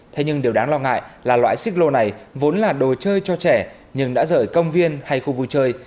thế nhưng điều đáng lo ngại là loại xích lô này vốn là đồ chơi cho trẻ nhưng đã rời công viên hay khu vui chơi